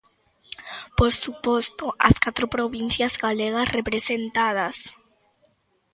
Por suposto, as catro provincias galegas representadas.